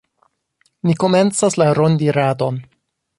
Ni komencas la rondiradon.